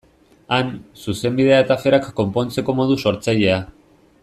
Han, Zuzenbidea eta aferak konpontzeko modu sortzailea.